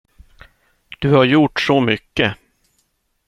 Du har gjort så mycket.